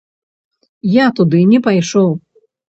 Я туды не пайшоў.